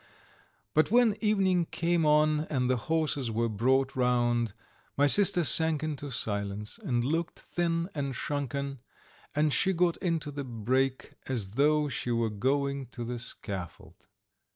But when evening came on and the horses were brought round, my sister sank into silence and looked thin and shrunken, and she got into the brake as though she were going to the scaffold.